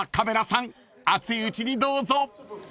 熱いうちにどうぞ］